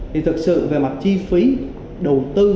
thì thực sự về mặt chi phí đầu tư